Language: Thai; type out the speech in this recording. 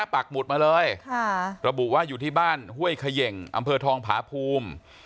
ปักหมุดมาเลยระบุว่าอยู่ที่บ้านห้วยเขย่งอำเภอทองผาภูมิ